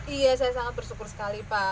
iya saya sangat bersyukur sekali pak